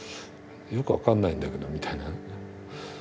よく分かんないんだけどみたいな。